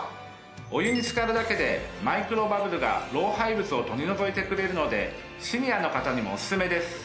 お湯につかるだけでマイクロバブルが老廃物を取り除いてくれるのでシニアの方にもおすすめです。